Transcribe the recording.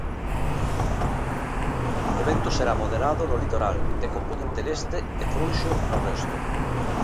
O vento será moderado no litoral, de compoñente leste, e frouxo no resto.